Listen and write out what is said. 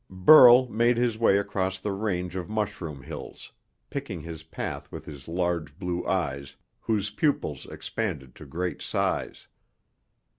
Burl made his way across the range of mushroom hills, picking his path with his large blue eyes whose pupils expanded to great size.